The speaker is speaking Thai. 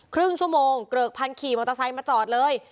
ครึ่งชั่วโมงเกริกพันธ์ขี่มอเตอร์ไซค์มาจอดเลย